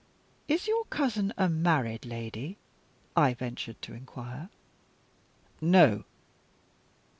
"Is your cousin a married lady?" I ventured to inquire. "No."